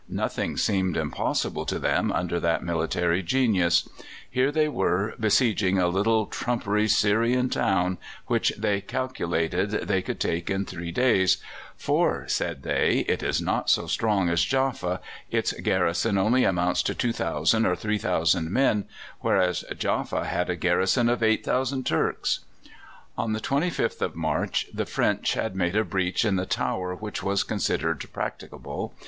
Nothing seemed impossible to them under that military genius. Here they were besieging a little trumpery Syrian town, which they calculated they could take in three days; "for," said they, "it is not so strong as Jaffa. Its garrison only amounts to 2,000 or 3,000 men, whereas Jaffa had a garrison of 8,000 Turks." On the 25th of March the French had made a breach in the tower which was considered practicable.